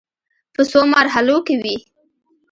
په څو مرحلو کې وې.